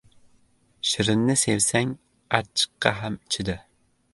• Shirinni sevsang achchiqqa ham chida.